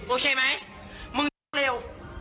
โอเคไหมมึงเร็ว